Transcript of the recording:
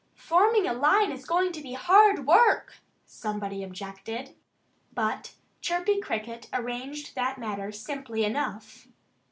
"Forming a line is going to be hard work," somebody objected. But Chirpy Cricket arranged that matter simply enough.